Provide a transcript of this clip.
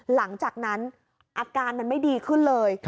หลังจากนั้นอาการมันไม่ดีขึ้นเลย